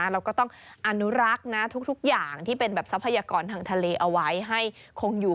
เราก็ต้องอนุรักษ์ทุกอย่างที่เป็นแบบทรัพยากรทางทะเลเอาไว้ให้คงอยู่